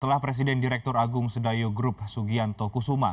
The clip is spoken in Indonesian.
setelah presiden direktur agung sedayo group sugianto kusuma